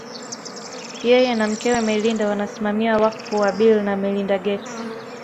Yeye na mkewe Melinda wanasimamia wakfu wa Bill na Melinda Gates